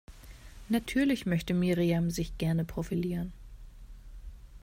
Natürlich möchte Miriam sich gerne profilieren.